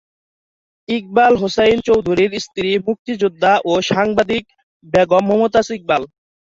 ইকবাল হোসাইন চৌধুরীর স্ত্রী মুক্তিযোদ্ধা ও সাংবাদিক বেগম মমতাজ ইকবাল।